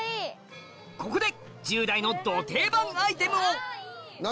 ここで１０代のド定番アイテムを何？